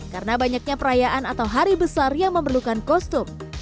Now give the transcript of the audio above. karena banyaknya perayaan atau hari besar yang memerlukan kostum